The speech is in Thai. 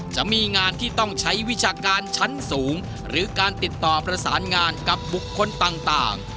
จะมีงานที่ต้องใช้วิชาการชั้นสูงหรือการติดต่อประสานงานกับบุคคลต่าง